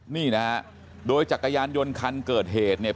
นี่นะฮะโดยจักรยานยนต์คันเกิดเหตุเนี่ย